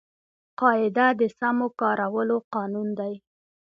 قاعده د سمو کارولو قانون دئ.